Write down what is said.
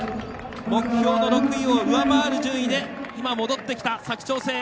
目標の６位を上回る順位で今、戻ってきた佐久長聖。